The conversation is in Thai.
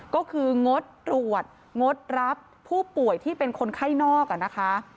ก็คืองดตรวจงดรับผู้ป่วยที่เป็นคนไข้นอกนะคะ